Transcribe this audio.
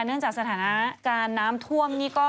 เนื่องจากสถานการณ์น้ำท่วมนี่ก็